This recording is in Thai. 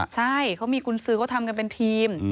ใช่เขามีกุญสือเขาทำกันเป็นทีม